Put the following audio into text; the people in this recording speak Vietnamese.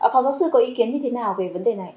phó giáo sư có ý kiến như thế nào về vấn đề này